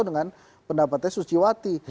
dengan pendapatnya suciwati